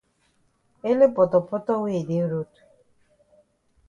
Ele potopoto wey yi dey road.